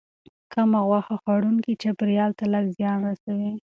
کم غوښه خوړونکي چاپیریال ته لږ زیان رسوي.